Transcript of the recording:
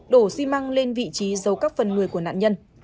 đổ xi măng lên vị trí giấu các phần người của nạn nhân